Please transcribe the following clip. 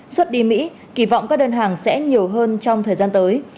xuất đi mỹ kỳ vọng các đơn hàng sẽ nhiều hơn trong thời gian tới